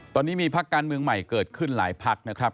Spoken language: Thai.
ตอนนี้มีพักการเมืองใหม่เกิดขึ้นหลายพักนะครับ